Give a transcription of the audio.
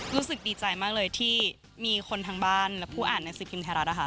รู้สึกดีใจมากเลยที่มีคนทางบ้านและผู้อ่านหนังสือพิมพ์ไทยรัฐนะคะ